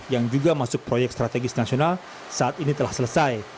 yang juga masuk proyek strategis nasional saat ini telah selesai